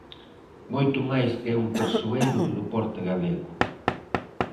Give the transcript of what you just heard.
Moito máis que un persoeiro do deporte galego.